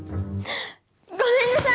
ごめんなさい！